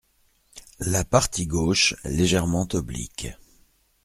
La partie gauche légèrement oblique.